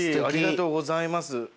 ありがとうございます。